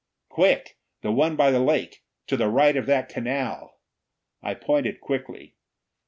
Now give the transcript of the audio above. "Quick! The one by the lake! To the right of that canal!" I pointed quickly.